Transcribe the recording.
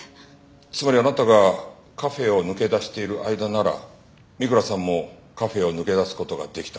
つまりあなたがカフェを抜け出している間なら三倉さんもカフェを抜け出す事ができた。